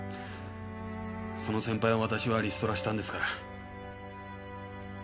その先輩を私はリストラしたんですから。